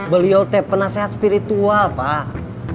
beliau penasehat spiritual pak